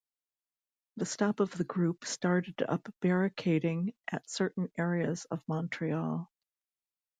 The stop of the Group started up barricading at certain area's of Montreal.